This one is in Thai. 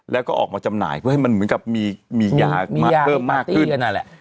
แล้วก็ออกมาจำหน่ายเพื่อให้มันเหมือนกับมียามาเพิ่มมากขึ้นนั่นแหละ